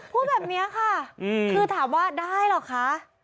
พูดแบบนี้ค่ะคือถามว่าได้เหรอคะ